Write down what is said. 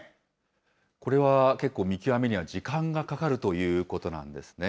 これは結構、見極めには時間がかかるということなんですね。